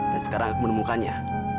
dan sekarang aku menemukannya